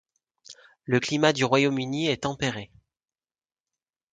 Le climat du Royaume-Uni est tempéré.